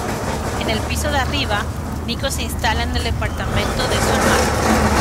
En el piso de arriba, Nico se instala en el departamento de su hermano.